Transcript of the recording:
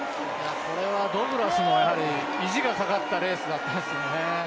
これはド・グラスも意地が懸かったレースだったんですね。